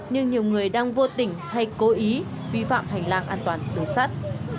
nhưng nhiều người đang vô tình hay cố ý vi phạm hành lang an toàn đường sắt